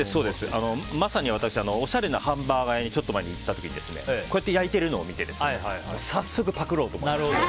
まさに私はおしゃれなハンバーガー屋に行った時にこうやって焼いているのを見て早速パクろうと思いまして。